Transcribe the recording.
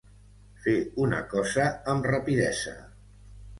Fer una cosa amb rapidesa.